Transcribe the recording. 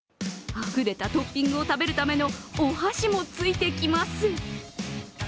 あふれたトッピングを食べるためのお箸もついてきます。